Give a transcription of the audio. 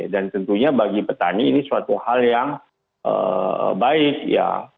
dan tentunya bagi petani ini suatu hal yang baik ya